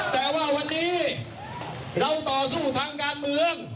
แต่ว่าวันนี้เราต่อสู้ทางการเมือง